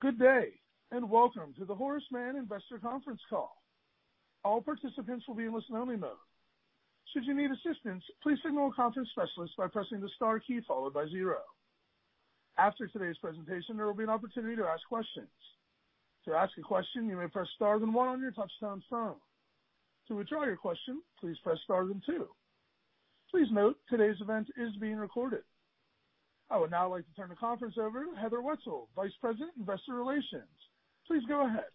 Good day. Welcome to the Horace Mann investor conference call. All participants will be in listen only mode. Should you need assistance, please signal a conference specialist by pressing the star key followed by zero. After today's presentation, there will be an opportunity to ask questions. To ask a question, you may press star then one on your touch-tone phone. To withdraw your question, please press star then two. Please note, today's event is being recorded. I would now like to turn the conference over to Heather Wetzel, Vice President, Investor Relations. Please go ahead.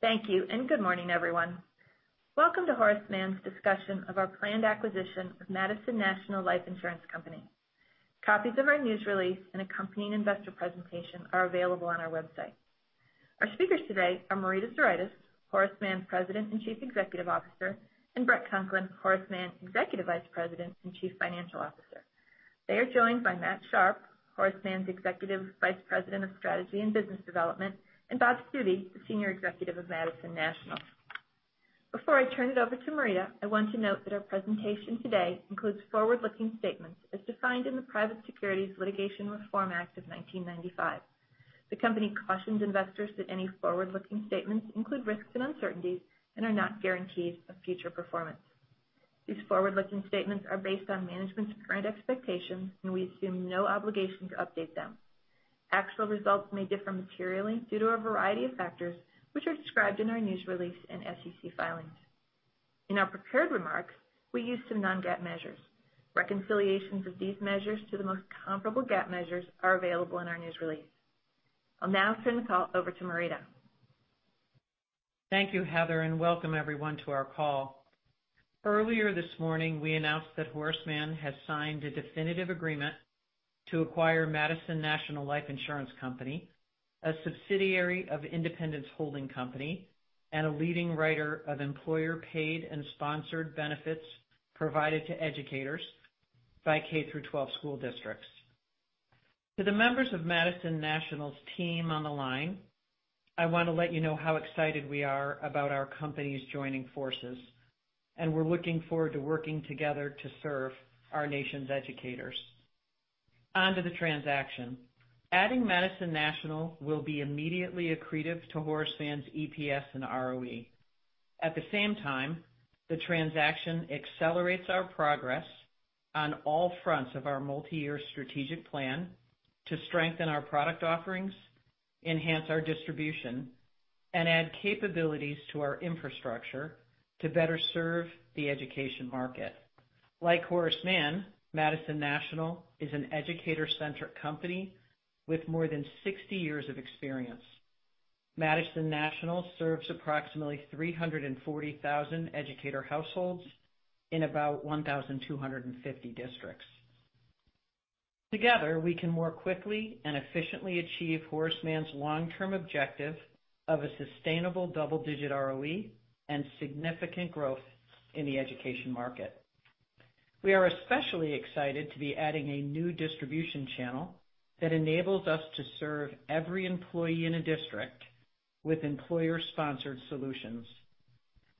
Thank you. Good morning, everyone. Welcome to Horace Mann's discussion of our planned acquisition of Madison National Life Insurance Company. Copies of our news release and accompanying investor presentation are available on our website. Our speakers today are Marita Zuraitis, Horace Mann's President and Chief Executive Officer, and Bret Conklin, Horace Mann's Executive Vice President and Chief Financial Officer. They are joined by Matt Sharpe, Horace Mann's Executive Vice President of Strategy and Business Development, and Bob Stubbe, the Senior Executive of Madison National. Before I turn it over to Marita, I want to note that our presentation today includes forward-looking statements as defined in the Private Securities Litigation Reform Act of 1995. The company cautions investors that any forward-looking statements include risks and uncertainties and are not guarantees of future performance. These forward-looking statements are based on management's current expectations. We assume no obligation to update them. Actual results may differ materially due to a variety of factors, which are described in our news release and SEC filings. In our prepared remarks, we use some non-GAAP measures. Reconciliations of these measures to the most comparable GAAP measures are available in our news release. I'll now turn the call over to Marita. Thank you, Heather. Welcome everyone to our call. Earlier this morning, we announced that Horace Mann has signed a definitive agreement to acquire Madison National Life Insurance Company, a subsidiary of Independence Holding Company and a leading writer of employer-paid and sponsored benefits provided to educators by K through 12 school districts. To the members of Madison National's team on the line, I want to let you know how excited we are about our companies joining forces. We're looking forward to working together to serve our nation's educators. On to the transaction. Adding Madison National will be immediately accretive to Horace Mann's EPS and ROE. At the same time, the transaction accelerates our progress on all fronts of our multi-year strategic plan to strengthen our product offerings, enhance our distribution, add capabilities to our infrastructure to better serve the education market. Like Horace Mann, Madison National is an educator-centric company with more than 60 years of experience. Madison National serves approximately 340,000 educator households in about 1,250 districts. Together, we can more quickly and efficiently achieve Horace Mann's long-term objective of a sustainable double-digit ROE and significant growth in the education market. We are especially excited to be adding a new distribution channel that enables us to serve every employee in a district with employer-sponsored solutions.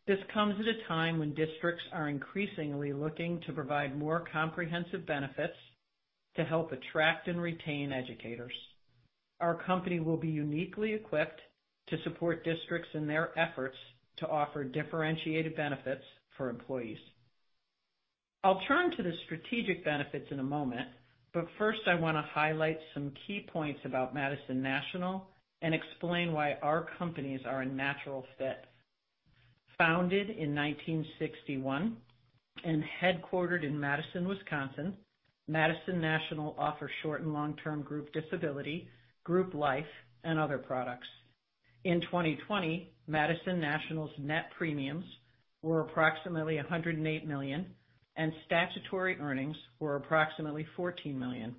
This comes at a time when districts are increasingly looking to provide more comprehensive benefits to help attract and retain educators. Our company will be uniquely equipped to support districts in their efforts to offer differentiated benefits for employees. I'll turn to the strategic benefits in a moment. First, I want to highlight some key points about Madison National and explain why our companies are a natural fit. Founded in 1961 and headquartered in Madison, Wisconsin, Madison National offers short and long-term group disability, group life, and other products. In 2020, Madison National's net premiums were approximately $108 million, and statutory earnings were approximately $14 million.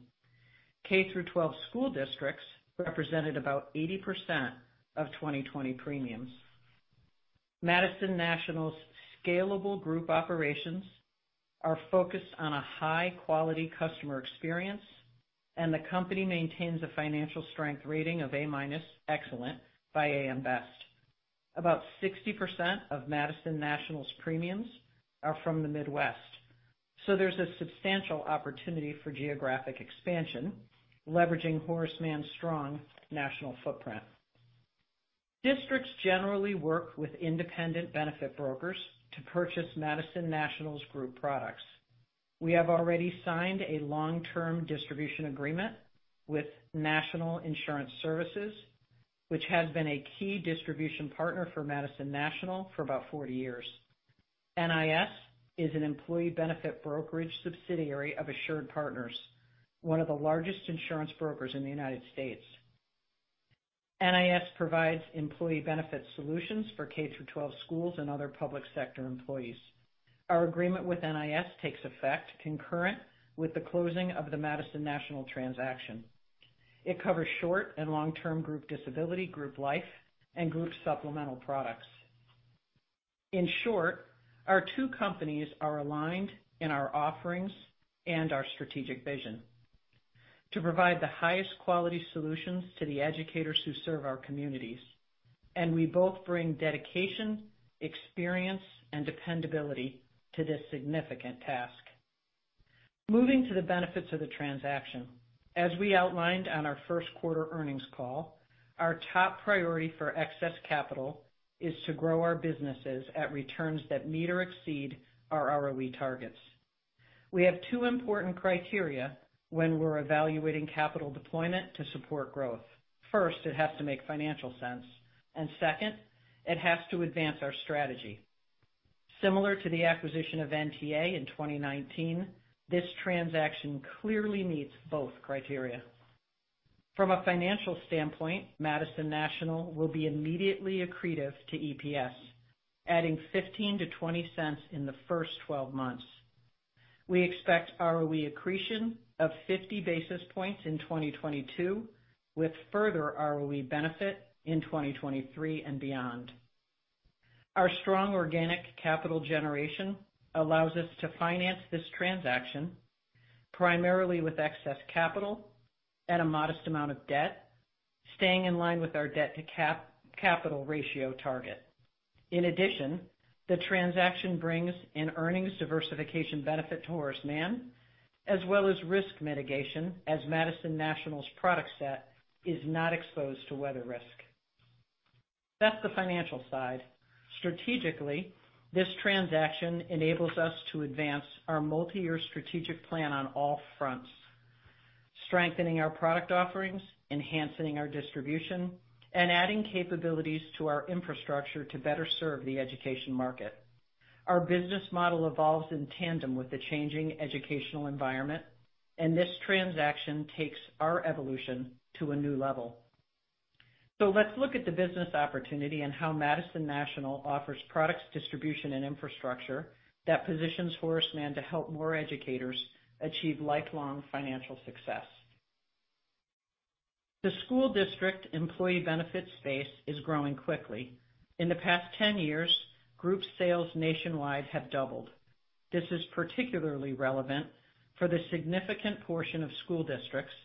K through 12 school districts represented about 80% of 2020 premiums. Madison National's scalable group operations are focused on a high-quality customer experience. The company maintains a financial strength rating of A-minus, excellent, by AM Best. About 60% of Madison National's premiums are from the Midwest. There's a substantial opportunity for geographic expansion, leveraging Horace Mann's strong national footprint. Districts generally work with independent benefit brokers to purchase Madison National's group products. We have already signed a long-term distribution agreement with National Insurance Services, which has been a key distribution partner for Madison National for about 40 years. NIS is an employee benefit brokerage subsidiary of AssuredPartners, one of the largest insurance brokers in the U.S. NIS provides employee benefit solutions for K through 12 schools and other public sector employees. Our agreement with NIS takes effect concurrent with the closing of the Madison National transaction. It covers short and long-term group disability, group life, and group supplemental products. In short, our two companies are aligned in our offerings and our strategic vision to provide the highest quality solutions to the educators who serve our communities. We both bring dedication, experience, and dependability to this significant task. Moving to the benefits of the transaction. As we outlined on our first quarter earnings call, our top priority for excess capital is to grow our businesses at returns that meet or exceed our ROE targets. We have two important criteria when we're evaluating capital deployment to support growth. First, it has to make financial sense. Second, it has to advance our strategy. Similar to the acquisition of NTA in 2019, this transaction clearly meets both criteria. From a financial standpoint, Madison National will be immediately accretive to EPS, adding $0.15-$0.20 in the first 12 months. We expect ROE accretion of 50 basis points in 2022, with further ROE benefit in 2023 and beyond. Our strong organic capital generation allows us to finance this transaction primarily with excess capital at a modest amount of debt, staying in line with our debt-to-capital ratio target. In addition, the transaction brings an earnings diversification benefit to Horace Mann, as well as risk mitigation, as Madison National's product set is not exposed to weather risk. That's the financial side. Strategically, this transaction enables us to advance our multi-year strategic plan on all fronts, strengthening our product offerings, enhancing our distribution, and adding capabilities to our infrastructure to better serve the education market. Our business model evolves in tandem with the changing educational environment, and this transaction takes our evolution to a new level. Let's look at the business opportunity and how Madison National offers products, distribution, and infrastructure that positions Horace Mann to help more educators achieve lifelong financial success. The school district employee benefits space is growing quickly. In the past 10 years, group sales nationwide have doubled. This is particularly relevant for the significant portion of school districts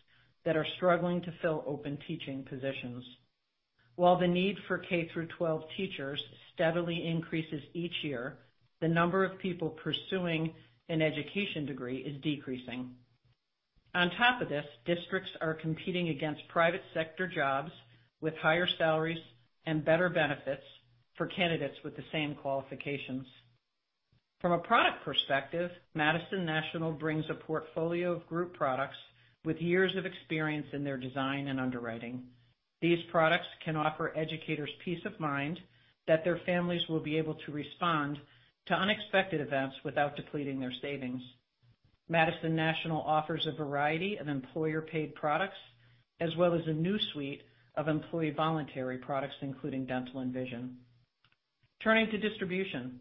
that are struggling to fill open teaching positions. While the need for K through 12 teachers steadily increases each year, the number of people pursuing an education degree is decreasing. On top of this, districts are competing against private sector jobs with higher salaries and better benefits for candidates with the same qualifications. From a product perspective, Madison National brings a portfolio of group products with years of experience in their design and underwriting. These products can offer educators peace of mind that their families will be able to respond to unexpected events without depleting their savings. Madison National offers a variety of employer-paid products, as well as a new suite of employee voluntary products, including dental and vision. Turning to distribution.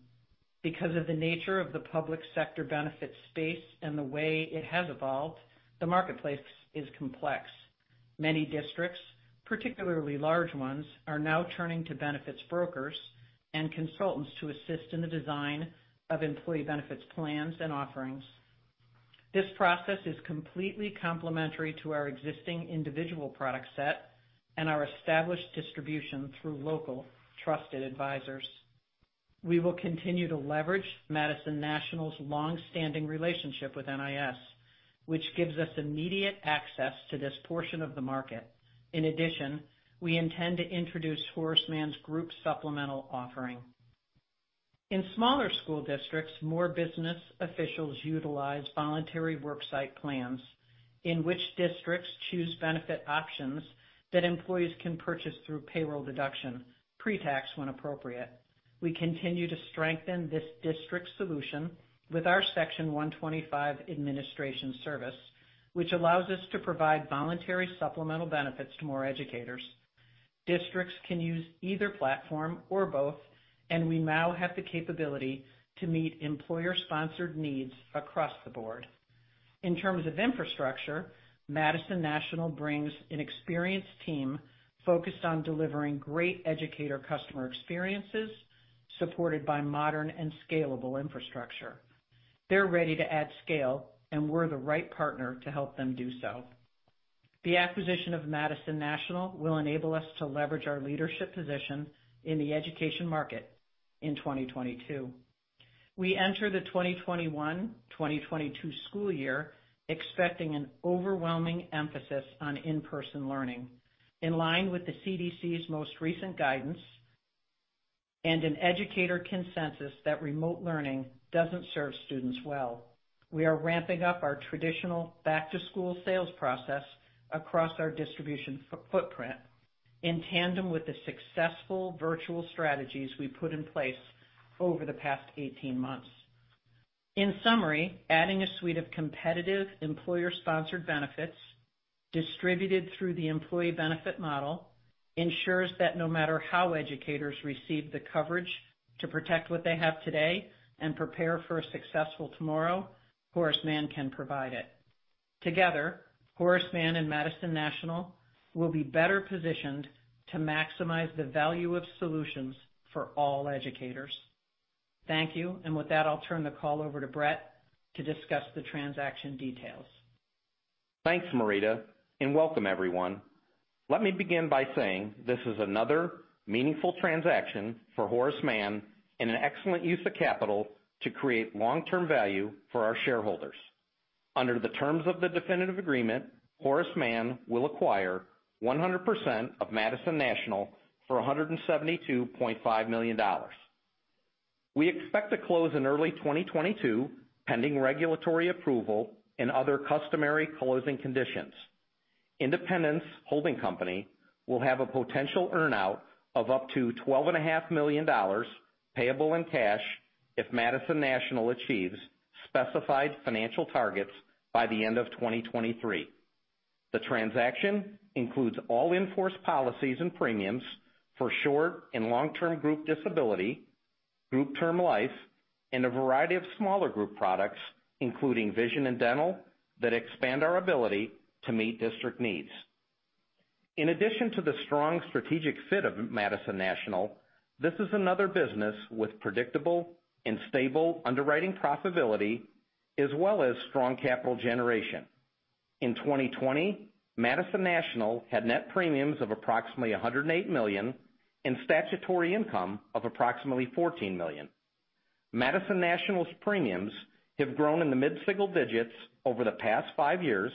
Because of the nature of the public sector benefits space and the way it has evolved, the marketplace is complex. Many districts, particularly large ones, are now turning to benefits brokers and consultants to assist in the design of employee benefits plans and offerings. This process is completely complementary to our existing individual product set and our established distribution through local trusted advisors. We will continue to leverage Madison National's long-standing relationship with NIS, which gives us immediate access to this portion of the market. In addition, we intend to introduce Horace Mann's group supplemental offering. In smaller school districts, more business officials utilize voluntary worksite plans in which districts choose benefit options that employees can purchase through payroll deduction, pre-tax when appropriate. We continue to strengthen this district solution with our Section 125 administration service, which allows us to provide voluntary supplemental benefits to more educators. Districts can use either platform or both, and we now have the capability to meet employer-sponsored needs across the board. In terms of infrastructure, Madison National brings an experienced team focused on delivering great educator customer experiences, supported by modern and scalable infrastructure. They're ready to add scale, we're the right partner to help them do so. The acquisition of Madison National will enable us to leverage our leadership position in the education market in 2022. We enter the 2021-2022 school year expecting an overwhelming emphasis on in-person learning. In line with the CDC's most recent guidance and an educator consensus that remote learning doesn't serve students well, we are ramping up our traditional back-to-school sales process across our distribution footprint in tandem with the successful virtual strategies we put in place over the past 18 months. In summary, adding a suite of competitive employer-sponsored benefits distributed through the employee benefit model ensures that no matter how educators receive the coverage to protect what they have today and prepare for a successful tomorrow, Horace Mann can provide it. Together, Horace Mann and Madison National will be better positioned to maximize the value of solutions for all educators. Thank you. With that, I'll turn the call over to Bret to discuss the transaction details Thanks, Marita, and welcome everyone. Let me begin by saying this is another meaningful transaction for Horace Mann and an excellent use of capital to create long-term value for our shareholders. Under the terms of the definitive agreement, Horace Mann will acquire 100% of Madison National for $172.5 million. We expect to close in early 2022, pending regulatory approval and other customary closing conditions. Independence Holding Company will have a potential earn-out of up to $12.5 million payable in cash if Madison National achieves specified financial targets by the end of 2023. The transaction includes all in-force policies and premiums for short- and long-term group disability, group term life, and a variety of smaller group products, including vision and dental, that expand our ability to meet district needs. In addition to the strong strategic fit of Madison National, this is another business with predictable and stable underwriting profitability, as well as strong capital generation. In 2020, Madison National had net premiums of approximately $108 million, and statutory income of approximately $14 million. Madison National's premiums have grown in the mid-single digits over the past five years,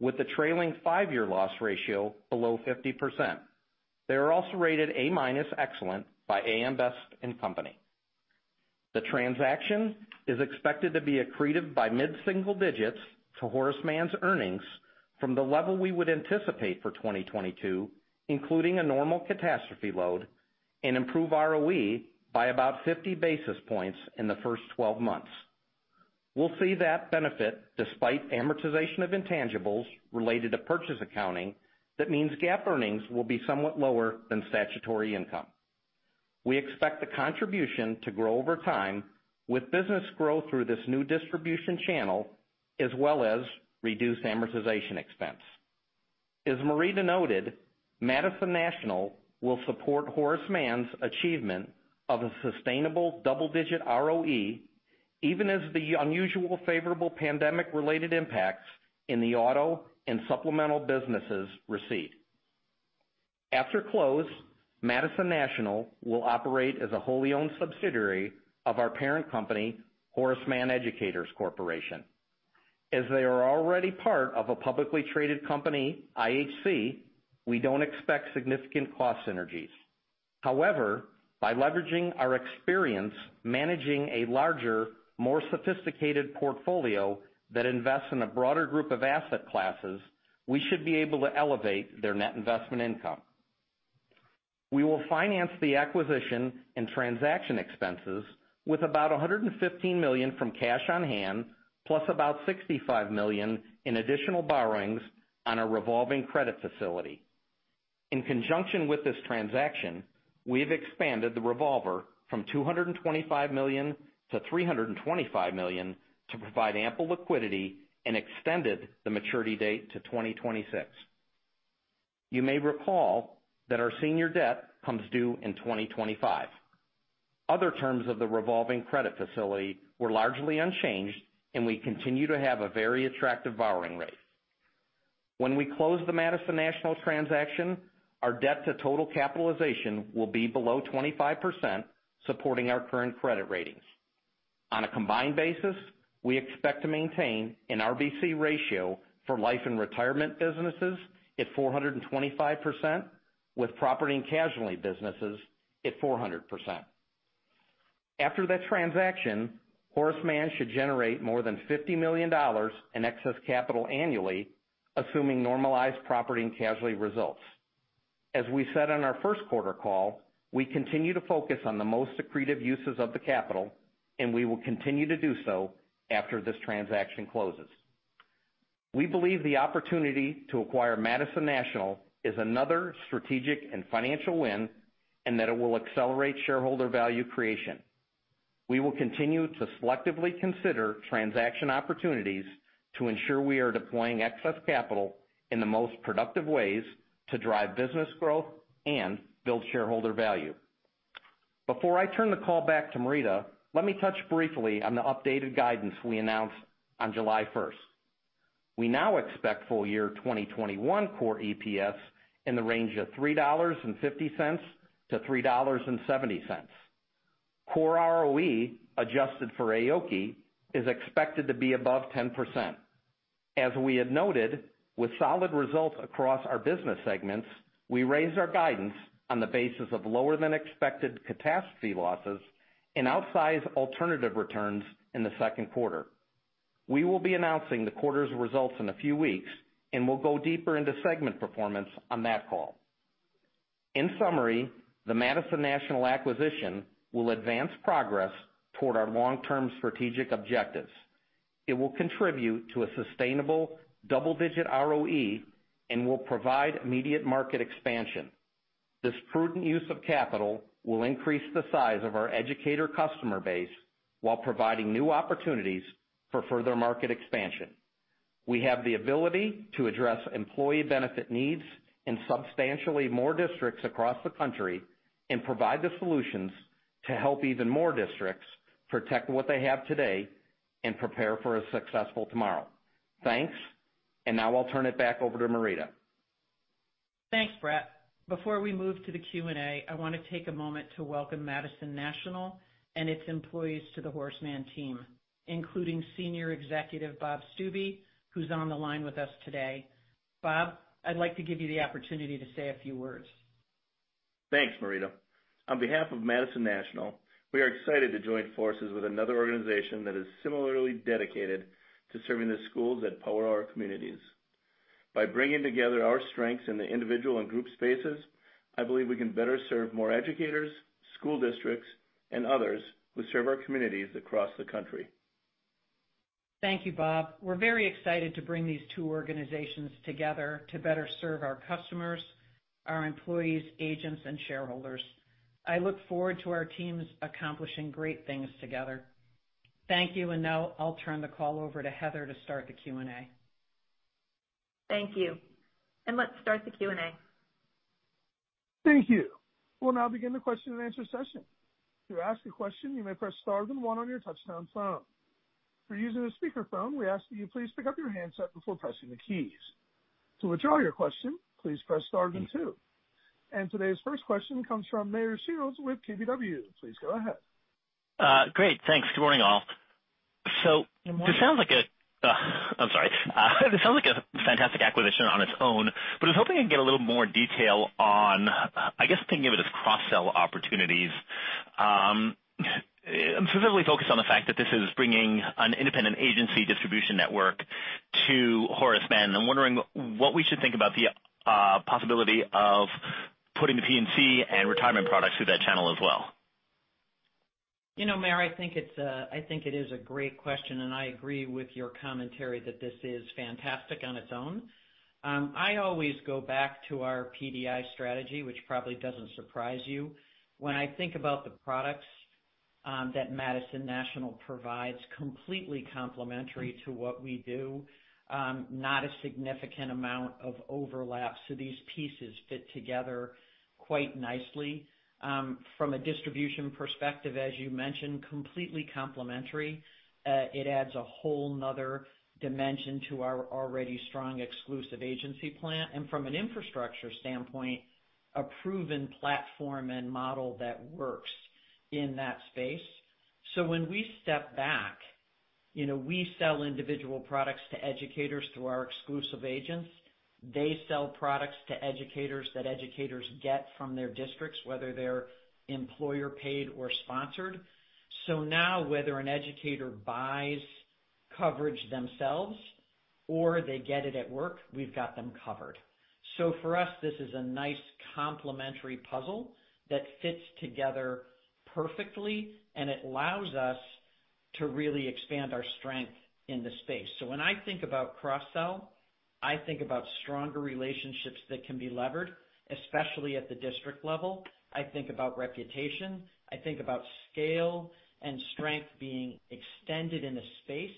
with the trailing five-year loss ratio below 50%. They are also rated A-minus Excellent by AM Best. The transaction is expected to be accretive by mid-single digits to Horace Mann's earnings from the level we would anticipate for 2022, including a normal catastrophe load, and improve ROE by about 50 basis points in the first 12 months. We'll see that benefit despite amortization of intangibles related to purchase accounting, that means GAAP earnings will be somewhat lower than statutory income. We expect the contribution to grow over time, with business growth through this new distribution channel, as well as reduced amortization expense. As Marita noted, Madison National will support Horace Mann's achievement of a sustainable double-digit ROE, even as the unusual favorable pandemic-related impacts in the auto and supplemental businesses recede. After close, Madison National will operate as a wholly-owned subsidiary of our parent company, Horace Mann Educators Corporation. As they are already part of a publicly traded company, IHC, we don't expect significant cost synergies. However, by leveraging our experience managing a larger, more sophisticated portfolio that invests in a broader group of asset classes, we should be able to elevate their net investment income. We will finance the acquisition and transaction expenses with about $115 million from cash on hand, plus about $65 million in additional borrowings on a revolving credit facility. In conjunction with this transaction, we've expanded the revolver from $225 million to $325 million to provide ample liquidity and extended the maturity date to 2026. You may recall that our senior debt comes due in 2025. Other terms of the revolving credit facility were largely unchanged, and we continue to have a very attractive borrowing rate. When we close the Madison National transaction, our debt to total capitalization will be below 25%, supporting our current credit ratings. On a combined basis, we expect to maintain an RBC ratio for life and retirement businesses at 425%, with property and casualty businesses at 400%. After the transaction, Horace Mann should generate more than $50 million in excess capital annually, assuming normalized property and casualty results. As we said on our first quarter call, we continue to focus on the most accretive uses of the capital. We will continue to do so after this transaction closes. We believe the opportunity to acquire Madison National is another strategic and financial win. It will accelerate shareholder value creation. We will continue to selectively consider transaction opportunities to ensure we are deploying excess capital in the most productive ways to drive business growth and build shareholder value. Before I turn the call back to Marita, let me touch briefly on the updated guidance we announced on July 1st. We now expect full year 2021 core EPS in the range of $3.50-$3.70. Core ROE, adjusted for AOCI, is expected to be above 10%. As we had noted, with solid results across our business segments, we raised our guidance on the basis of lower than expected catastrophe losses and outsized alternative returns in the second quarter. We will be announcing the quarter's results in a few weeks. We'll go deeper into segment performance on that call. In summary, the Madison National acquisition will advance progress toward our long-term strategic objectives. It will contribute to a sustainable double-digit ROE. It will provide immediate market expansion. This prudent use of capital will increase the size of our educator customer base while providing new opportunities for further market expansion. We have the ability to address employee benefit needs in substantially more districts across the country and provide the solutions to help even more districts protect what they have today and prepare for a successful tomorrow. Thanks. Now I'll turn it back over to Marita. Thanks, Bret. Before we move to the Q&A, I want to take a moment to welcome Madison National and its employees to the Horace Mann team, including Senior Executive Bob Stubbe, who's on the line with us today. Bob, I'd like to give you the opportunity to say a few words. Thanks, Marita. On behalf of Madison National, we are excited to join forces with another organization that is similarly dedicated to serving the schools that power our communities. By bringing together our strengths in the individual and group spaces, I believe we can better serve more educators, school districts, and others who serve our communities across the country. Thank you, Bob. We're very excited to bring these two organizations together to better serve our customers, our employees, agents, and shareholders. I look forward to our teams accomplishing great things together. Thank you, now I'll turn the call over to Heather to start the Q&A. Thank you. Let's start the Q&A. Thank you. We'll now begin the question and answer session. To ask a question, you may press star then one on your touchtone phone. If you're using a speakerphone, we ask that you please pick up your handset before pressing the keys. To withdraw your question, please press star then two. Today's first question comes from Meyer Shields with KBW. Please go ahead. Great. Thanks. Good morning, all. Good morning. I'm sorry. This sounds like a fantastic acquisition on its own. I was hoping I could get a little more detail on, I guess thinking of it as cross-sell opportunities. I'm specifically focused on the fact that this is bringing an independent agency distribution network to Horace Mann. I'm wondering what we should think about the possibility of putting the P&C and retirement products through that channel as well. Meyer, I think it is a great question. I agree with your commentary that this is fantastic on its own. I always go back to our PDI strategy, which probably doesn't surprise you. When I think about the products that Madison National provides, completely complementary to what we do, not a significant amount of overlap. These pieces fit together quite nicely. From a distribution perspective, as you mentioned, completely complementary. It adds a whole other dimension to our already strong exclusive agency plan. From an infrastructure standpoint, a proven platform and model that works in that space. When we step back, we sell individual products to educators through our exclusive agents. They sell products to educators that educators get from their districts, whether they're employer paid or sponsored. Now whether an educator buys coverage themselves or they get it at work, we've got them covered. For us, this is a nice complementary puzzle that fits together perfectly, it allows us to really expand our strength in the space. When I think about cross-sell, I think about stronger relationships that can be levered, especially at the district level. I think about reputation. I think about scale and strength being extended in a space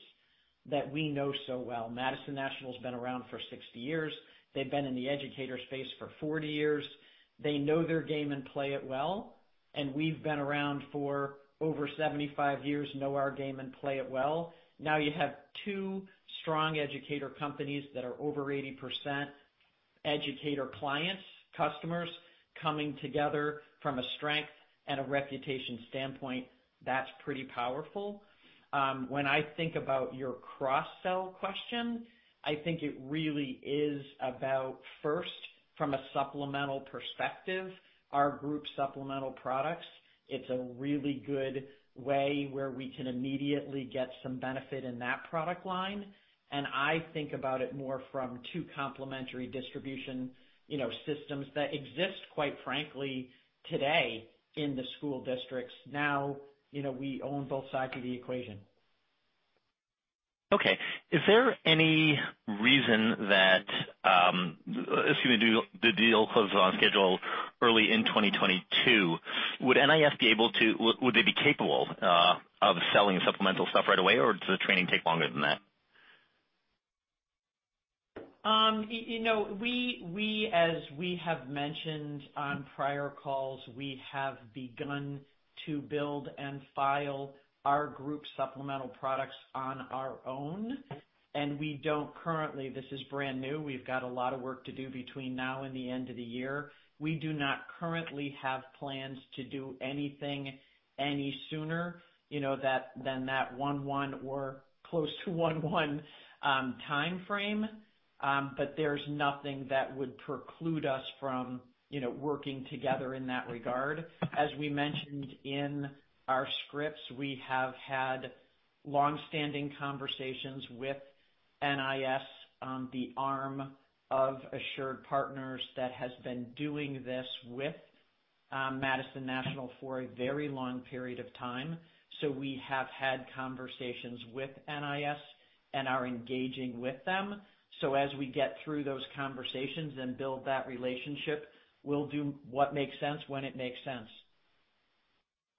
that we know so well. Madison National's been around for 60 years. They've been in the educator space for 40 years. They know their game and play it well, we've been around for over 75 years, know our game, and play it well. Now you have two strong educator companies that are over 80% educator clients, customers, coming together from a strength and a reputation standpoint. That's pretty powerful. When I think about your cross-sell question, I think it really is about, first, from a supplemental perspective, our group supplemental products. It's a really good way where we can immediately get some benefit in that product line. I think about it more from two complementary distribution systems that exist quite frankly today in the school districts. Now we own both sides of the equation. Is there any reason that Excuse me. The deal closes on schedule early in 2022. Would NIS be capable of selling supplemental stuff right away, or does the training take longer than that? As we have mentioned on prior calls, we have begun to build and file our group supplemental products on our own, we don't currently. This is brand new. We've got a lot of work to do between now and the end of the year. We do not currently have plans to do anything any sooner than that one or close to one timeframe. There's nothing that would preclude us from working together in that regard. As we mentioned in our scripts, we have had longstanding conversations with NIS, the arm of AssuredPartners that has been doing this with Madison National for a very long period of time. We have had conversations with NIS and are engaging with them. As we get through those conversations and build that relationship, we'll do what makes sense when it makes sense.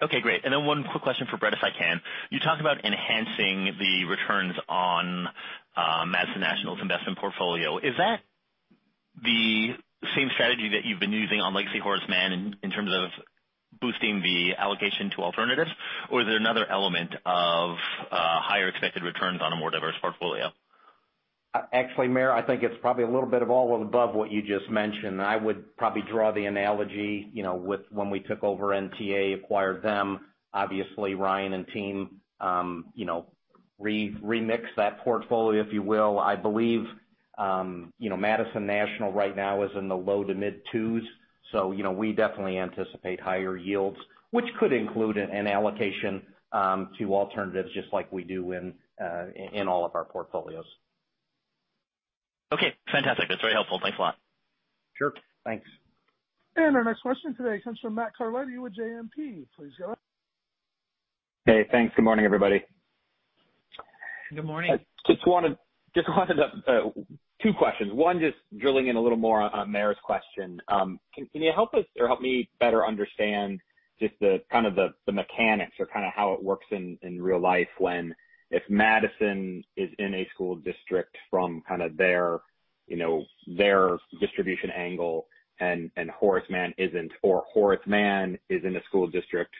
Okay, great. One quick question for Bret, if I can. You talked about enhancing the returns on Madison National's investment portfolio. Is that the same strategy that you've been using on legacy Horace Mann in terms of boosting the allocation to alternatives? Or is there another element of higher expected returns on a more diverse portfolio? Actually, Meyer, I think it's probably a little bit of all of the above what you just mentioned. I would probably draw the analogy with when we took over NTA, acquired them. Obviously, Ryan and team remixed that portfolio, if you will. I believe Madison National right now is in the low to mid twos, so we definitely anticipate higher yields, which could include an allocation to alternatives just like we do in all of our portfolios. Okay, fantastic. That's very helpful. Thanks a lot. Sure. Thanks. Our next question today comes from Matthew J. Carletti with JMP. Please go ahead. Hey, thanks. Good morning, everybody. Good morning. Two questions. One, just drilling in a little more on Meyer's question. Can you help us or help me better understand just the mechanics or how it works in real life when, if Madison is in a school district from their distribution angle and Horace Mann isn't, or Horace Mann is in a school district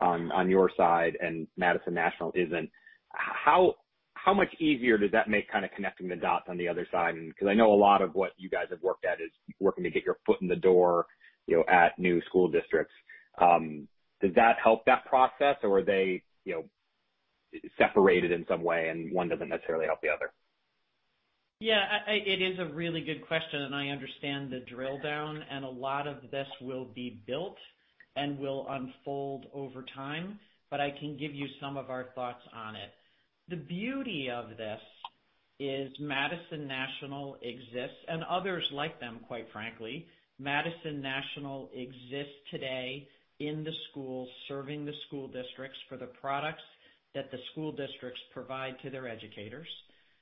on your side and Madison National isn't. How much easier does that make connecting the dots on the other side? Because I know a lot of what you guys have worked at is working to get your foot in the door at new school districts. Does that help that process or are they separated in some way and one doesn't necessarily help the other? Yeah, it is a really good question. I understand the drill down. A lot of this will be built and will unfold over time, but I can give you some of our thoughts on it. The beauty of this is Madison National exists, and others like them, quite frankly. Madison National exists today in the schools, serving the school districts for the products that the school districts provide to their educators.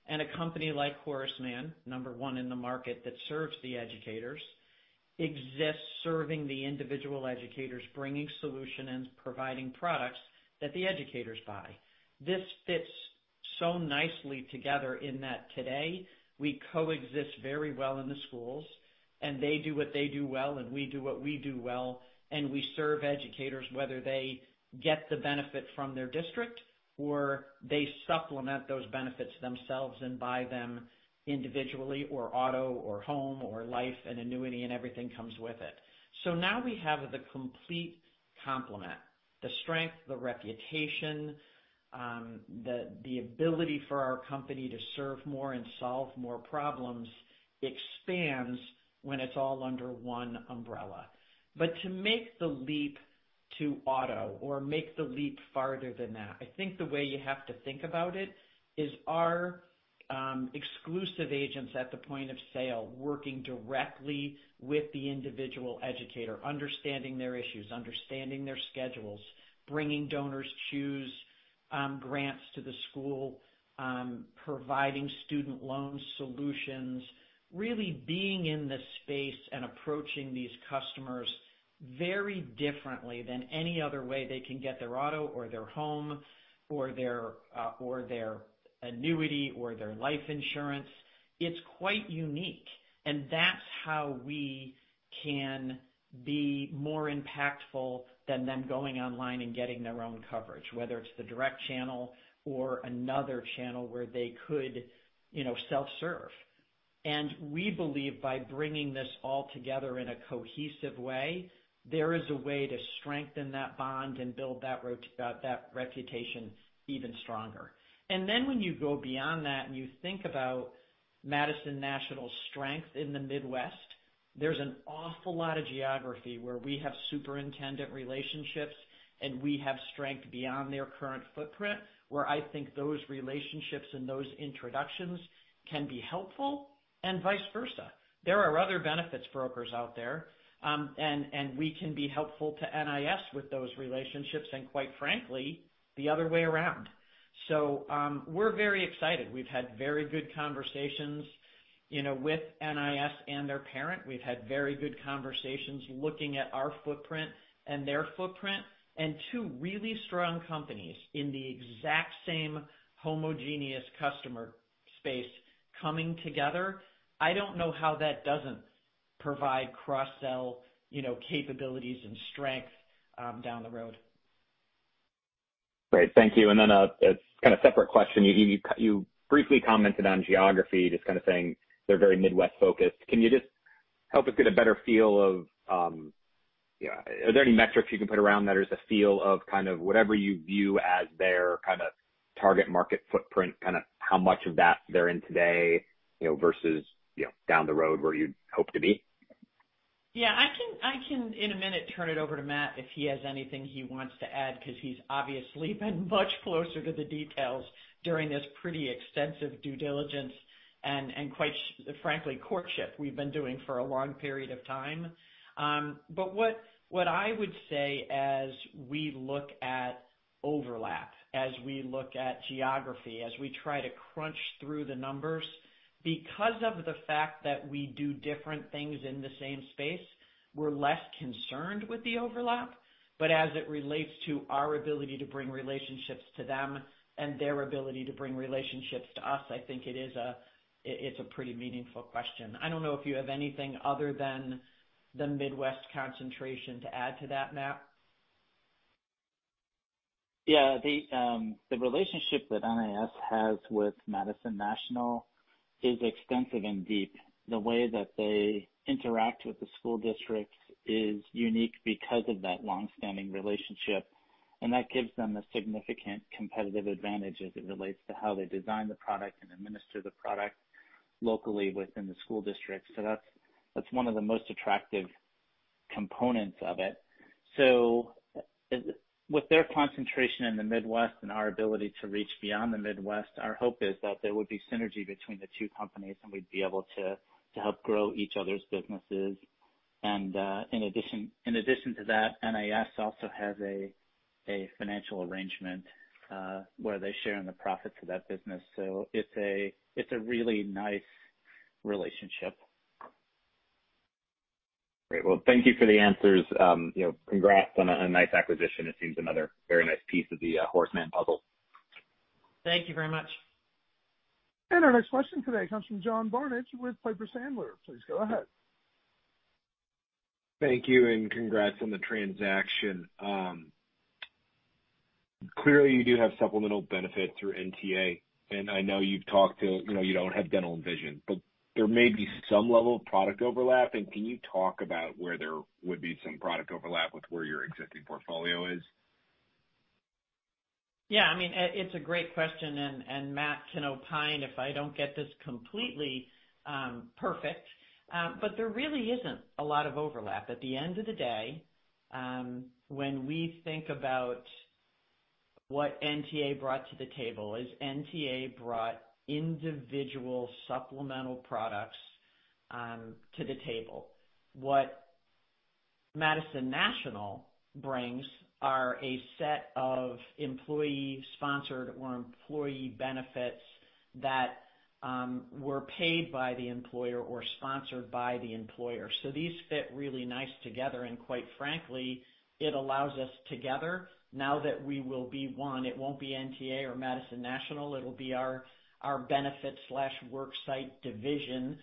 A company like Horace Mann, number 1 in the market that serves the educators, exists serving the individual educators, bringing solution and providing products that the educators buy. This fits so nicely together in that today, we coexist very well in the schools. They do what they do well, and we do what we do well. We serve educators, whether they get the benefit from their district or they supplement those benefits themselves and buy them individually or auto or home or life and annuity and everything comes with it. Now we have the complete complement, the strength, the reputation, the ability for our company to serve more and solve more problems expands when it's all under one umbrella. To make the leap to auto or make the leap farther than that, I think the way you have to think about it is our exclusive agents at the point of sale, working directly with the individual educator, understanding their issues, understanding their schedules, bringing DonorsChoose grants to the school, providing student loan solutions, really being in the space and approaching these customers very differently than any other way they can get their auto or their home or their annuity or their life insurance. It's quite unique, and that's how we can be more impactful than them going online and getting their own coverage, whether it's the direct channel or another channel where they could self-serve. We believe by bringing this all together in a cohesive way, there is a way to strengthen that bond and build that reputation even stronger. When you go beyond that, you think about Madison National's strength in the Midwest, there's an awful lot of geography where we have superintendent relationships. We have strength beyond their current footprint, where I think those relationships and those introductions can be helpful and vice versa. There are other benefits brokers out there. We can be helpful to NIS with those relationships and quite frankly, the other way around. We're very excited. We've had very good conversations with NIS and their parent. We've had very good conversations looking at our footprint and their footprint, and two really strong companies in the exact same homogeneous customer space coming together. I don't know how that doesn't provide cross-sell capabilities and strength down the road. Great. Thank you. A kind of separate question. You briefly commented on geography, just kind of saying they're very Midwest focused. Can you just help us get a better feel of? Are there any metrics you can put around that as a feel of kind of whatever you view as their target market footprint, how much of that they're in today, versus down the road where you'd hope to be? Yeah. I can, in a minute, turn it over to Matt if he has anything he wants to add, because he's obviously been much closer to the details during this pretty extensive due diligence and, quite frankly, courtship we've been doing for a long period of time. What I would say as we look at overlap, as we look at geography, as we try to crunch through the numbers, because of the fact that we do different things in the same space, we're less concerned with the overlap. As it relates to our ability to bring relationships to them and their ability to bring relationships to us, I think it's a pretty meaningful question. I don't know if you have anything other than the Midwest concentration to add to that, Matt. Yeah. The relationship that National Insurance Services has with Madison National is extensive and deep. The way that they interact with the school districts is unique because of that long-standing relationship, and that gives them a significant competitive advantage as it relates to how they design the product and administer the product locally within the school district. That's one of the most attractive components of it. With their concentration in the Midwest and our ability to reach beyond the Midwest, our hope is that there would be synergy between the two companies, and we'd be able to help grow each other's businesses. In addition to that, National Insurance Services also has a financial arrangement where they share in the profits of that business. It's a really nice relationship. Great. Well, thank you for the answers. Congrats on a nice acquisition. It seems another very nice piece of the Horace Mann puzzle. Thank you very much. Our next question today comes from John Barnidge with Piper Sandler. Please go ahead. Thank you, congrats on the transaction. Clearly, you do have supplemental benefits through NTA, I know you don't have dental and vision, but there may be some level of product overlap. Can you talk about where there would be some product overlap with where your existing portfolio is? Yeah. It's a great question, Matt can opine if I don't get this completely perfect. There really isn't a lot of overlap. At the end of the day, when we think about what NTA brought to the table, is NTA brought individual supplemental products to the table. What Madison National brings are a set of employee-sponsored or employee benefits that were paid by the employer or sponsored by the employer. These fit really nice together. Quite frankly, it allows us together, now that we will be one, it won't be NTA or Madison National, it'll be our benefit/worksite division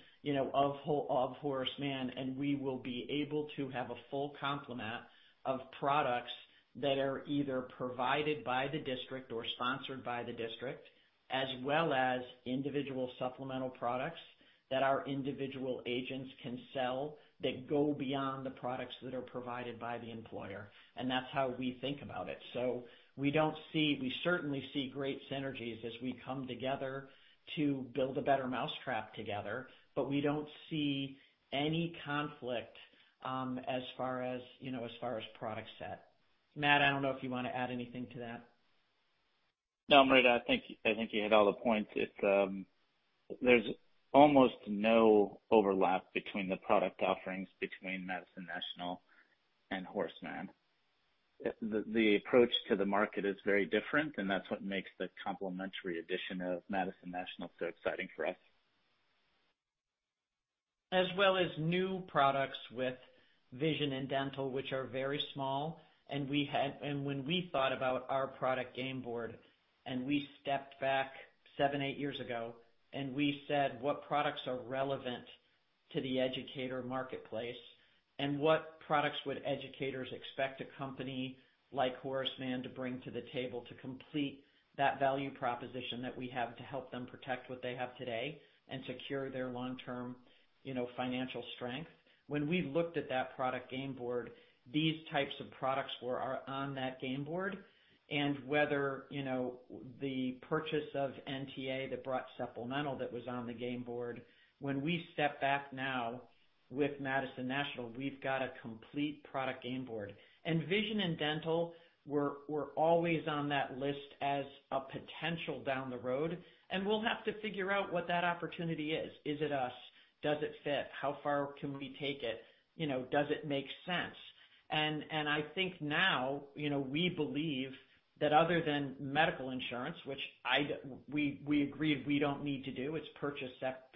of Horace Mann, we will be able to have a full complement of products that are either provided by the district or sponsored by the district, as well as individual supplemental products that our individual agents can sell that go beyond the products that are provided by the employer. That's how we think about it. We certainly see great synergies as we come together to build a better mousetrap together, we don't see any conflict as far as product set. Matt, I don't know if you want to add anything to that. No, Marita, I think you hit all the points. There's almost no overlap between the product offerings between Madison National and Horace Mann. The approach to the market is very different, that's what makes the complementary addition of Madison National so exciting for us. As well as new products with vision and dental, which are very small. When we thought about our product game board and we stepped back seven, eight years ago, we said, what products are relevant to the educator marketplace, what products would educators expect a company like Horace Mann to bring to the table to complete that value proposition that we have to help them protect what they have today and secure their long-term financial strength? When we looked at that product game board, these types of products were on that game board, whether the purchase of NTA that brought supplemental that was on the game board, when we step back now with Madison National, we've got a complete product game board. Vision and dental were always on that list as a potential down the road, we'll have to figure out what that opportunity is. Is it us? Does it fit? How far can we take it? Does it make sense? I think now, we believe that other than medical insurance, which we agreed we don't need to do, it's purchased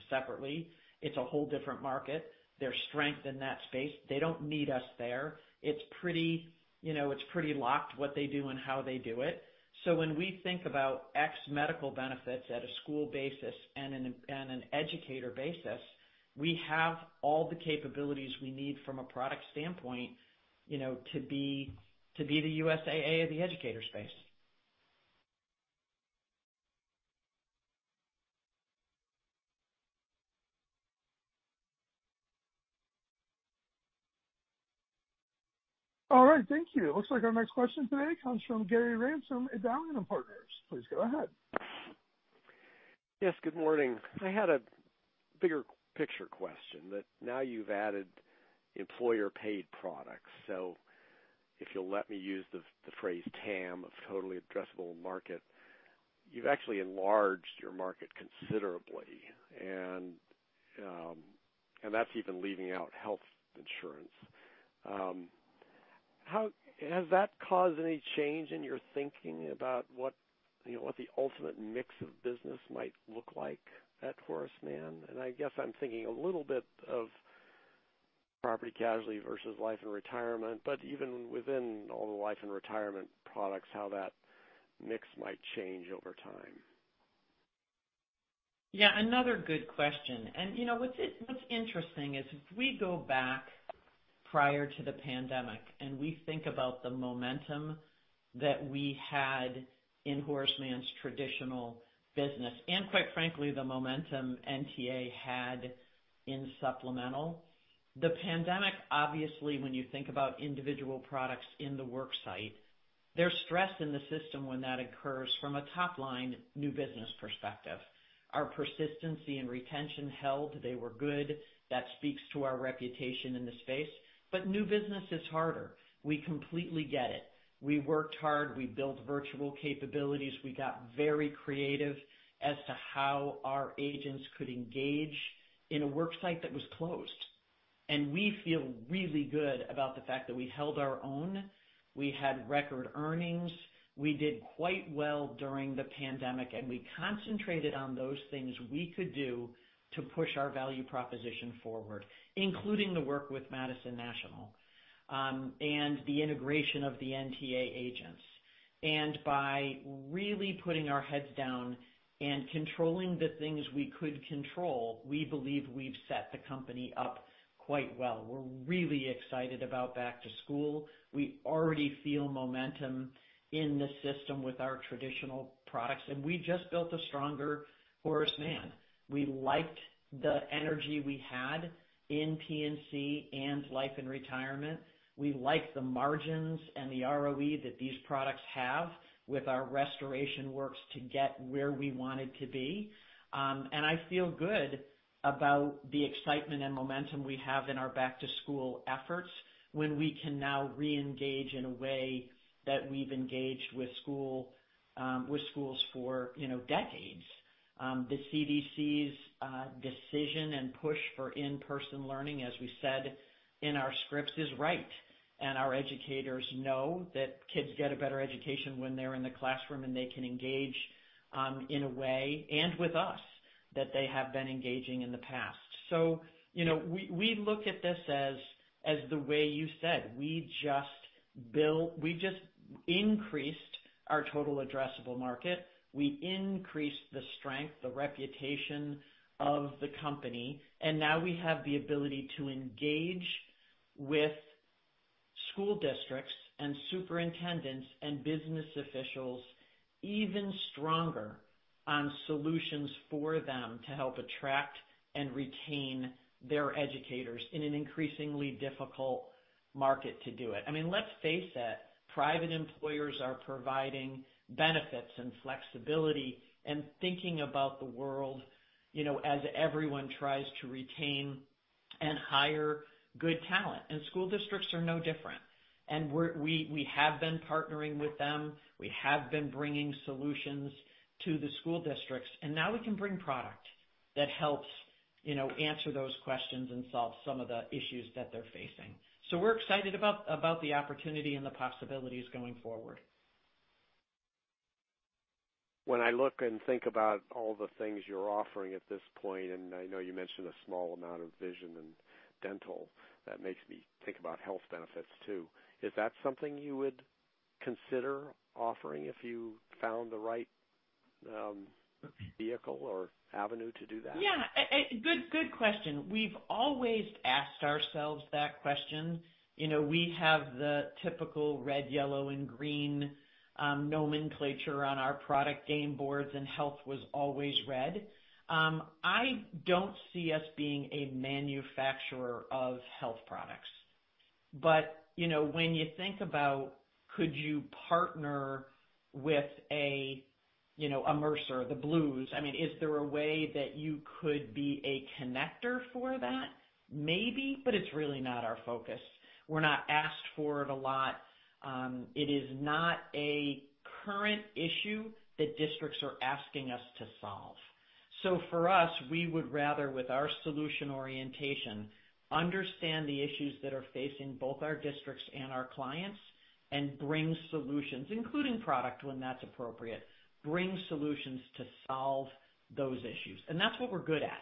separately. It's a whole different market. There's strength in that space. They don't need us there. It's pretty locked, what they do and how they do it. When we think about X medical benefits at a school basis and an educator basis, we have all the capabilities we need from a product standpoint to be the USAA of the educator space. All right. Thank you. It looks like our next question today comes from Gary Ransom at Dowling & Partners. Please go ahead. Yes. Good morning. I had a bigger picture question that now you've added employer-paid products. If you'll let me use the phrase TAM, of totally addressable market, you've actually enlarged your market considerably, and that's even leaving out health insurance. Has that caused any change in your thinking about what the ultimate mix of business might look like at Horace Mann? I guess I'm thinking a little bit of property casualty versus life and retirement, but even within all the life and retirement products, how that mix might change over time. Another good question. What's interesting is if we go back prior to the pandemic, we think about the momentum that we had in Horace Mann's traditional business, quite frankly, the momentum NTA had in supplemental. The pandemic, obviously, when you think about individual products in the work site, there's stress in the system when that occurs from a top-line new business perspective. Our persistency and retention held. They were good. That speaks to our reputation in the space. New business is harder. We completely get it. We worked hard. We built virtual capabilities. We got very creative as to how our agents could engage in a work site that was closed. We feel really good about the fact that we held our own. We had record earnings. We did quite well during the pandemic, we concentrated on those things we could do to push our value proposition forward, including the work with Madison National, and the integration of the NTA agents. By really putting our heads down and controlling the things we could control, we believe we've set the company up quite well. We're really excited about back to school. We already feel momentum in the system with our traditional products, we just built a stronger Horace Mann. We liked the energy we had in P&C and life and retirement. We liked the margins and the ROE that these products have with our restoration works to get where we wanted to be. I feel good about the excitement and momentum we have in our back-to-school efforts when we can now reengage in a way that we've engaged with schools for decades. The CDC's decision and push for in-person learning, as we said in our scripts, is right, and our educators know that kids get a better education when they're in the classroom, and they can engage in a way, and with us, that they have been engaging in the past. We look at this as the way you said, we just increased our total addressable market. We increased the strength, the reputation of the company, and now we have the ability to engage with school districts and superintendents and business officials even stronger on solutions for them to help attract and retain their educators in an increasingly difficult market to do it. Let's face it, private employers are providing benefits and flexibility and thinking about the world, as everyone tries to retain and hire good talent. School districts are no different. We have been partnering with them. We have been bringing solutions to the school districts, and now we can bring product that helps answer those questions and solve some of the issues that they're facing. We're excited about the opportunity and the possibilities going forward. When I look and think about all the things you're offering at this point, and I know you mentioned a small amount of vision and dental, that makes me think about health benefits too. Is that something you would consider offering if you found the right vehicle or avenue to do that? Yeah. Good question. We've always asked ourselves that question. We have the typical red, yellow, and green nomenclature on our product game boards, and health was always red. I don't see us being a manufacturer of health products. When you think about could you partner with a Mercer or the Blues, is there a way that you could be a connector for that? Maybe, but it's really not our focus. We're not asked for it a lot. It is not a current issue that districts are asking us to solve. For us, we would rather, with our solution orientation, understand the issues that are facing both our districts and our clients and bring solutions, including product when that's appropriate, bring solutions to solve those issues. That's what we're good at.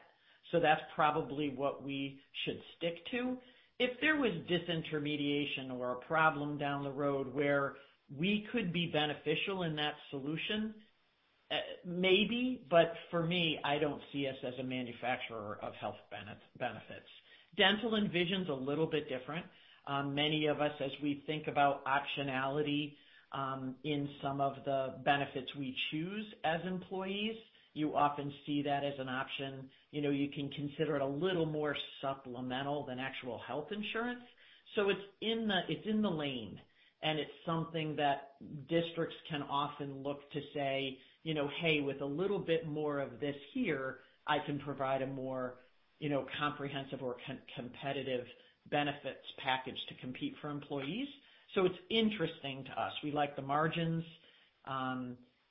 That's probably what we should stick to. If there was disintermediation or a problem down the road where we could be beneficial in that solution, maybe. For me, I don't see us as a manufacturer of health benefits. Dental and vision's a little bit different. Many of us, as we think about optionality in some of the benefits we choose as employees, you often see that as an option. You can consider it a little more supplemental than actual health insurance. It's in the lane, and it's something that districts can often look to say, "Hey, with a little bit more of this here, I can provide a more comprehensive or competitive benefits package to compete for employees." It's interesting to us. We like the margins.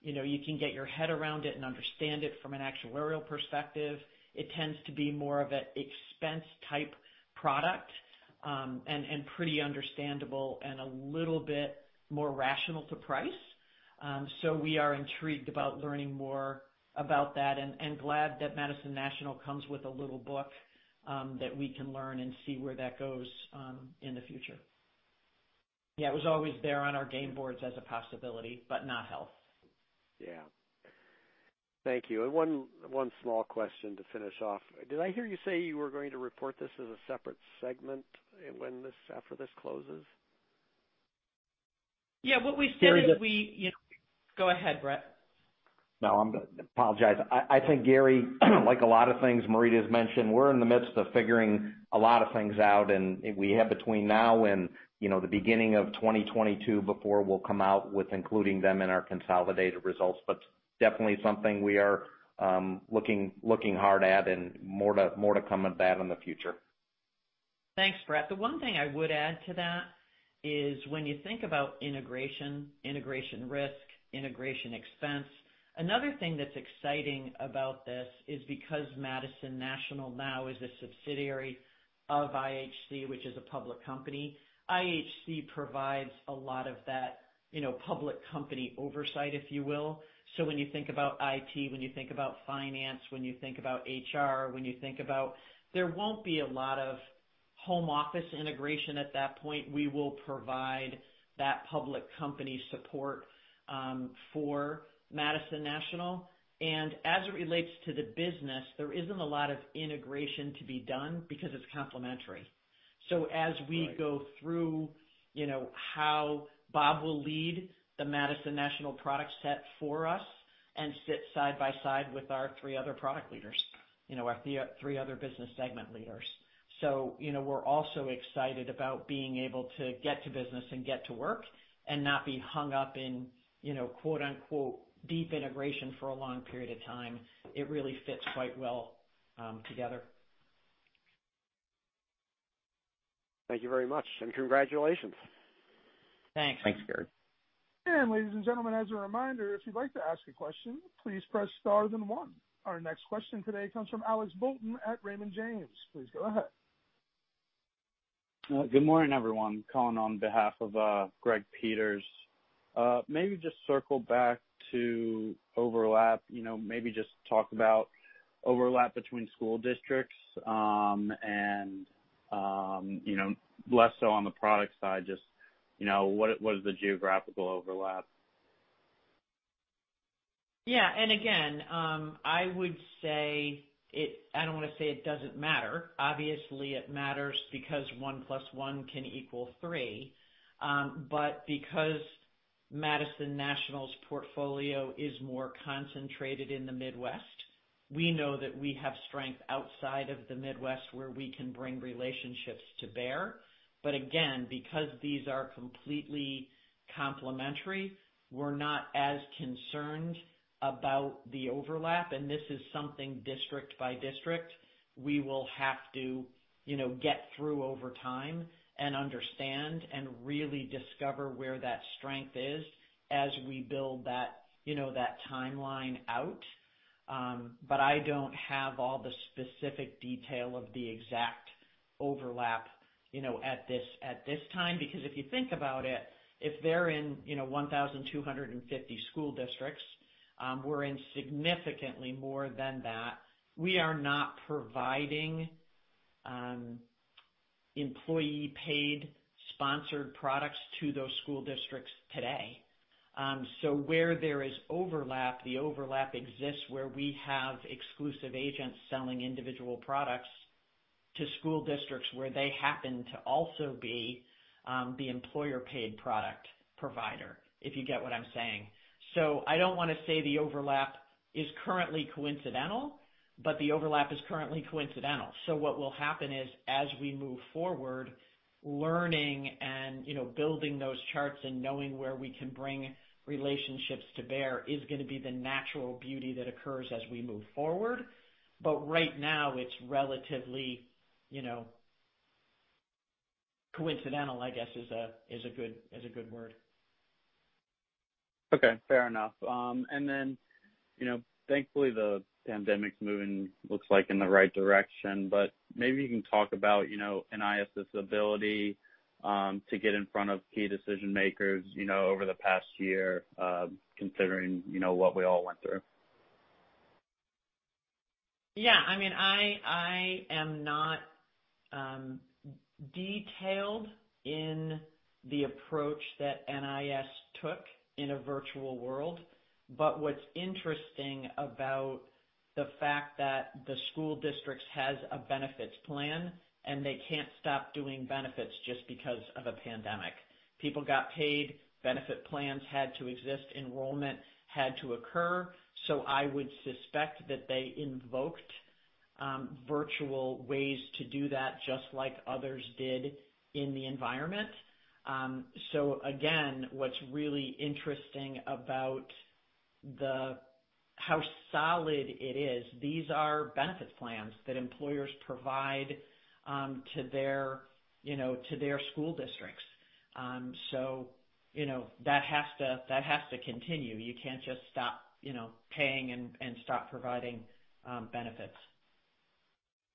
You can get your head around it and understand it from an actuarial perspective. It tends to be more of an expense type product. Pretty understandable and a little bit more rational to price. We are intrigued about learning more about that and glad that Madison National comes with a little book that we can learn and see where that goes in the future. It was always there on our game boards as a possibility, not health. Yeah. Thank you. One small question to finish off. Did I hear you say you were going to report this as a separate segment after this closes? Yeah. What we said is we- Gary. Go ahead, Bret. No, I apologize. I think, Gary, like a lot of things Marita has mentioned, we're in the midst of figuring a lot of things out, and we have between now and the beginning of 2022 before we'll come out with including them in our consolidated results. Definitely something we are looking hard at and more to come of that in the future. Thanks, Bret. The one thing I would add to that is when you think about integration risk, integration expense, another thing that's exciting about this is because Madison National now is a subsidiary of IHC, which is a public company. IHC provides a lot of that public company oversight, if you will. When you think about IT, when you think about finance, when you think about HR, there won't be a lot of home office integration at that point. We will provide that public company support for Madison National. As it relates to the business, there isn't a lot of integration to be done because it's complementary. Right. As we go through how Bob will lead the Madison National product set for us and sit side by side with our three other product leaders, our three other business segment leaders. We're also excited about being able to get to business and get to work and not be hung up in quote unquote, "deep integration" for a long period of time. It really fits quite well together. Thank you very much, and congratulations. Thanks. Thanks, Gary. Ladies and gentlemen, as a reminder, if you'd like to ask a question, please press star then one. Our next question today comes from Alex Bolton at Raymond James. Please go ahead. Good morning, everyone. Calling on behalf of Greg Peters. Maybe just circle back to overlap. Maybe just talk about overlap between school districts, and less so on the product side, just what is the geographical overlap? Yeah. Again, I would say it, I don't want to say it doesn't matter. Obviously, it matters because one plus one can equal three. Because Madison National's portfolio is more concentrated in the Midwest, we know that we have strength outside of the Midwest where we can bring relationships to bear. Again, because these are completely complementary, we're not as concerned about the overlap, this is something district by district, we will have to get through over time and understand and really discover where that strength is as we build that timeline out. I don't have all the specific detail of the exact overlap at this time. Because if you think about it, if they're in 1,250 school districts, we're in significantly more than that. We are not providing employee-paid sponsored products to those school districts today. Where there is overlap, the overlap exists where we have exclusive agents selling individual products to school districts where they happen to also be the employer-paid product provider. If you get what I'm saying. I don't want to say the overlap is currently coincidental, the overlap is currently coincidental. What will happen is as we move forward, learning and building those charts and knowing where we can bring relationships to bear is going to be the natural beauty that occurs as we move forward. Right now, it's relatively coincidental, I guess is a good word. Okay, fair enough. Thankfully the pandemic's moving looks like in the right direction, maybe you can talk about NIS' ability to get in front of key decision-makers over the past year, considering what we all went through. Yeah. I am not detailed in the approach that NIS took in a virtual world. What's interesting about the fact that the school district has a benefits plan, and they can't stop doing benefits just because of a pandemic. People got paid, benefit plans had to exist, enrollment had to occur. I would suspect that they invoked virtual ways to do that, just like others did in the environment. Again, what's really interesting about how solid it is, these are benefits plans that employers provide to their school districts. That has to continue. You can't just stop paying and stop providing benefits.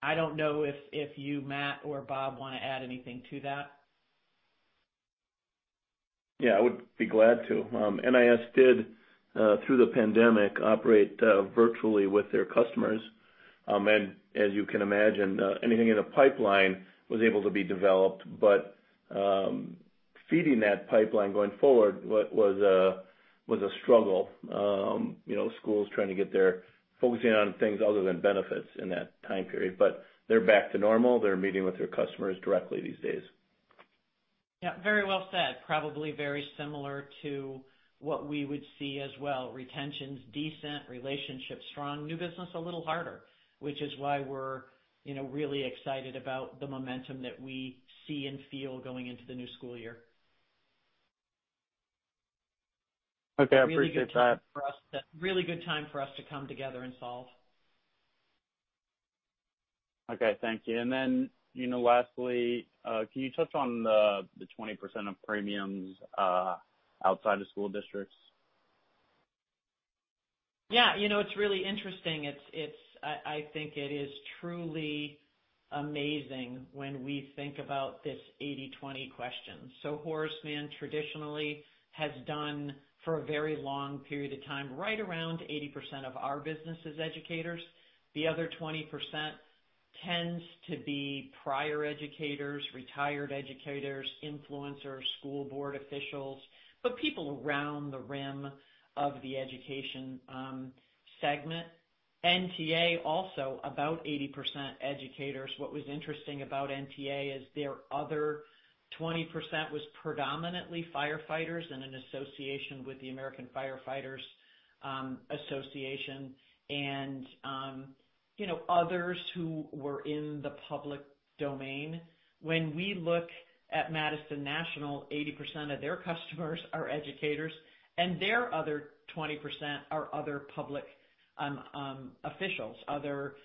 I don't know if you, Matt or Bob, want to add anything to that. Yeah, I would be glad to. NIS did, through the pandemic, operate virtually with their customers. As you can imagine, anything in a pipeline was able to be developed, but feeding that pipeline going forward was a struggle. Focusing on things other than benefits in that time period. They're back to normal. They're meeting with their customers directly these days. Yeah, very well said. Probably very similar to what we would see as well. Retention's decent, relationship's strong, new business a little harder, which is why we're really excited about the momentum that we see and feel going into the new school year. Okay, I appreciate that. Really good time for us to come together and solve. Okay, thank you. Lastly, can you touch on the 20% of premiums outside of school districts? Yeah. It's really interesting. I think it is truly amazing when we think about this 80/20 question. Horace Mann traditionally has done, for a very long period of time, right around 80% of our business is educators. The other 20% tends to be prior educators, retired educators, influencers, school board officials, but people around the rim of the education segment. NTA, also about 80% educators. What was interesting about NTA is their other 20% was predominantly firefighters and an association with the American Firefighters Association and others who were in the public domain. When we look at Madison National, 80% of their customers are educators, and their other 20% are other public officials, other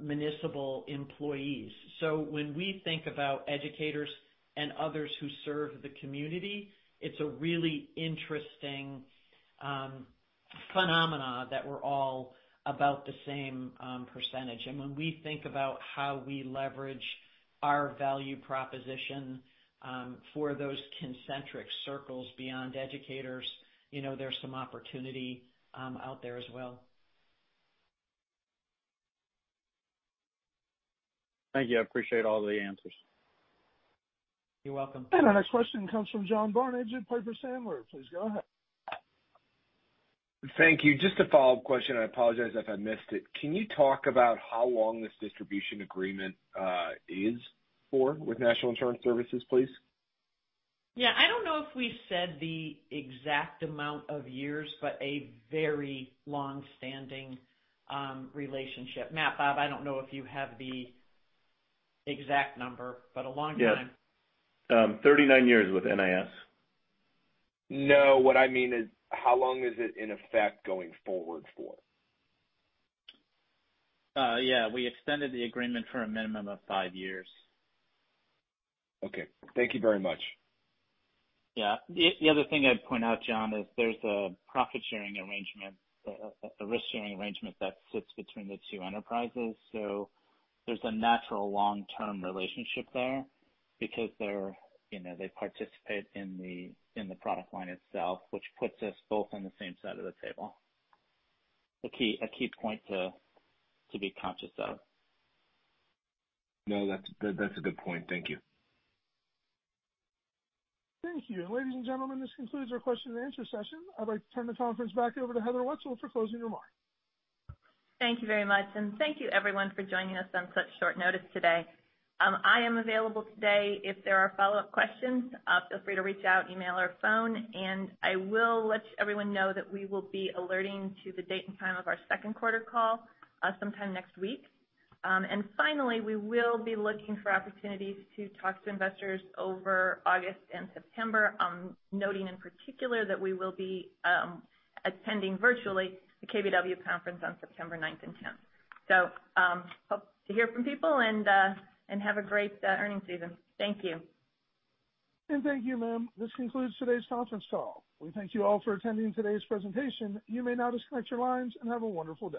municipal employees. When we think about educators and others who serve the community, it's a really interesting phenomenon that we're all about the same percentage. When we think about how we leverage our value proposition for those concentric circles beyond educators, there's some opportunity out there as well. Thank you. I appreciate all of the answers. You're welcome. Our next question comes from John Barnidge at Piper Sandler. Please go ahead. Thank you. Just a follow-up question, I apologize if I missed it. Can you talk about how long this distribution agreement is for with National Insurance Services, please? Yeah. I don't know if we said the exact amount of years, but a very long-standing relationship. Matt, Bob, I don't know if you have the exact number, but a long time. Yes. 39 years with NIS. No, what I mean is how long is it in effect going forward for? Yeah. We extended the agreement for a minimum of five years. Okay. Thank you very much. Yeah. The other thing I'd point out, John, is there's a profit-sharing arrangement, a risk-sharing arrangement that sits between the two enterprises. There's a natural long-term relationship there because they participate in the product line itself, which puts us both on the same side of the table. A key point to be conscious of. No, that's a good point. Thank you. Thank you. Ladies and gentlemen, this concludes our question and answer session. I'd like to turn the conference back over to Heather Wetzel for closing remarks. Thank you very much, thank you everyone for joining us on such short notice today. I am available today if there are follow-up questions. Feel free to reach out, email, or phone, I will let everyone know that we will be alerting to the date and time of our second quarter call sometime next week. Finally, we will be looking for opportunities to talk to investors over August and September, noting in particular that we will be attending virtually the KBW conference on September 9th and 10th. Hope to hear from people and have a great earnings season. Thank you. Thank you, ma'am. This concludes today's conference call. We thank you all for attending today's presentation. You may now disconnect your lines and have a wonderful day.